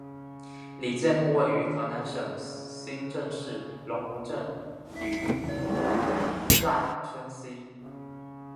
李诫墓位于河南省新郑市龙湖镇于寨村西。